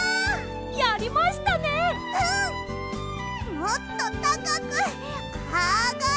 もっとたかくあがれ！